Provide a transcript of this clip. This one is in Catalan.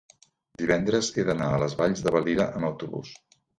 divendres he d'anar a les Valls de Valira amb autobús.